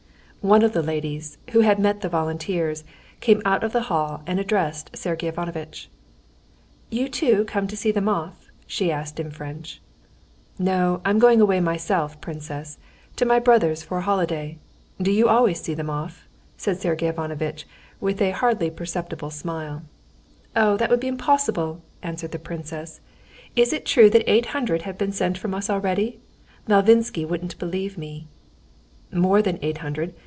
One of the ladies, who had met the volunteers, came out of the hall and addressed Sergey Ivanovitch. "You too come to see them off?" she asked in French. "No, I'm going away myself, princess. To my brother's for a holiday. Do you always see them off?" said Sergey Ivanovitch with a hardly perceptible smile. "Oh, that would be impossible!" answered the princess. "Is it true that eight hundred have been sent from us already? Malvinsky wouldn't believe me." "More than eight hundred.